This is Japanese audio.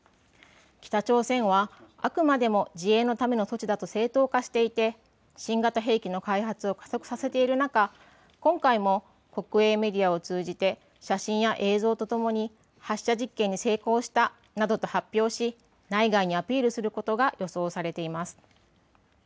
北朝鮮は、あくまでも自衛のための措置だと正当化していて新型兵器の開発を加速させている中、今回も国営メディアを通じて写真や映像とともに発射実験に成功したなどと発表し内外にアピールすることが予想されています。